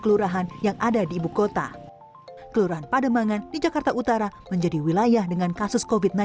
kelurahan yang ada di ibukota kelurahan pademangan di jakarta utara menjadi wilayah dengan kasus covid sembilan belas